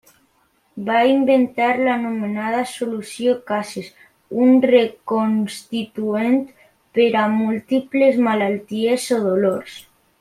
Va inventar l'anomenada solució Cases, un reconstituent per a múltiples malalties o dolors.